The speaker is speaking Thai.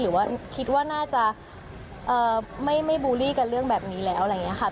หรือว่าคิดว่าน่าจะไม่บูลลี่กับเรื่องแบบนี้แล้วอะไรอย่างนี้ค่ะ